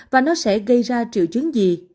và nó sẽ gây ra triệu chứng gì